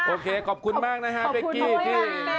โอเคขอบคุณมากนะฮะเป๊กกี้พี่